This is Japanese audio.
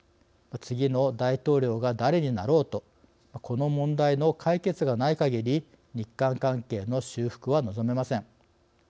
次の大統領が誰になろうとこの問題の解決がないかぎり日韓関係の修復は望めません。